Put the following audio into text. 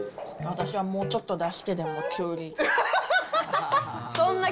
私はもうちょっと出してでもキュウリ。